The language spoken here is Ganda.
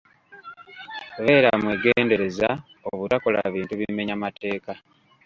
Beera mwegendereza obutakola bintu bimenya mateeka.